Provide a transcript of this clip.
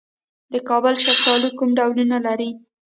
د کابل شفتالو کوم ډولونه لري؟